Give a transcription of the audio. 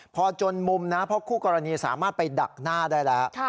พอจนมุมนะเพราะคู่กรณีสามารถไปดักหน้าได้แล้ว